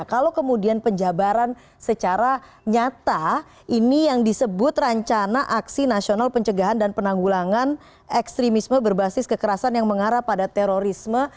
kalau kemudian penjabaran secara nyata ini yang disebut rancana aksi nasional pencegahan dan penanggulangan ekstremisme berbasis kekerasan yang mengarah pada terorisme